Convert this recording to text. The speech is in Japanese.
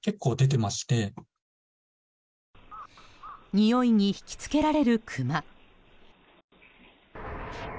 においに引き付けられるクマ。